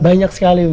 banyak sekali mbak